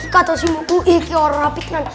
katau semua tuh ini orang rapi tenan